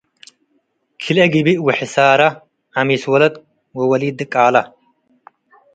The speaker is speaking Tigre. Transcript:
ክልኤ ግብእ ወሕሳረ ዐሚስ ወለት ወወሊድ ድቃለ።